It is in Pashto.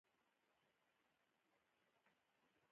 کوتره له ژمي سره بلد ده.